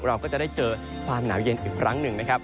เราก็จะได้เจอความหนาวเย็นอีกครั้งหนึ่งนะครับ